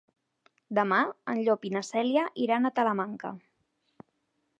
Demà en Llop i na Cèlia iran a Talamanca.